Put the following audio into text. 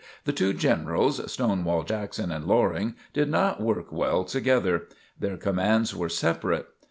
The two Generals, Stonewall Jackson and Loring, did not work well together. Their commands were separate.